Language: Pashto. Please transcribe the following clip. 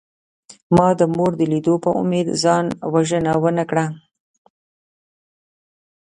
ما د مور د لیدو په امید ځان وژنه ونکړه